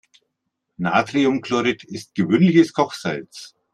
Natriumchlorid ist gewöhnliches Kochsalz.